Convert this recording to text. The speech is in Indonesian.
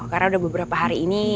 karena udah beberapa hari ini